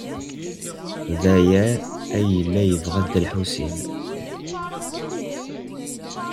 D aya ay yella yebɣa Dda Lḥusin.